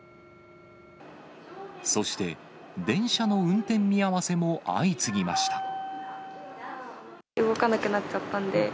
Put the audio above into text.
そして、電車の運転見合わせも相次ぎました。